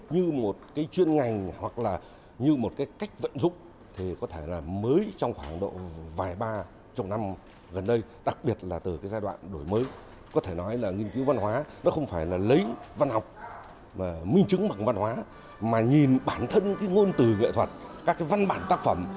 nhiều nghiên cứu văn học minh chứng bằng văn hóa mà nhìn bản thân ngôn từ nghệ thuật các văn bản tác phẩm